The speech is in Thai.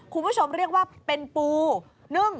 คุณผู้ชมเรียกว่าเป็นปูนึ่ง